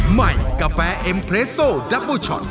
ใหม่กาแฟเอ็มเรสโซดับเบอร์ช็อต